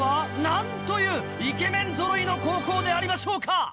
何というイケメンぞろいの高校でありましょうか！